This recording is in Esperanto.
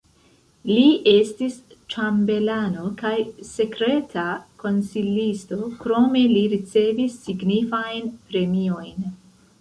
Li estis ĉambelano kaj sekreta konsilisto, krome li ricevis signifajn premiojn.